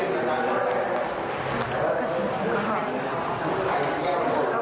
รู้สึกจริงก็ห่วง